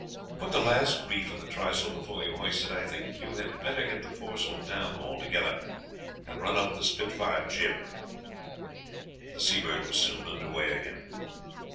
Put the last reef in the trysail before you hoist it. I think you had better get the foresail down altogether, and run up the spitfire jib." The Seabird was soon under way again.